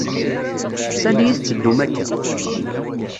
S ani i tettedum akka?